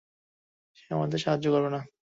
সে আমাদের সাহায্য করবে না।